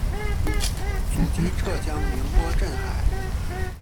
祖籍浙江宁波镇海。